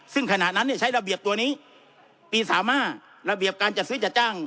ซึ่งขณะนั้นใช้ระเบียบตัวนี้ปี๓๕ระเบียบการจัดซื้อจัดจ้าง